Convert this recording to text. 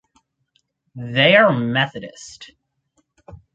They are Methodist.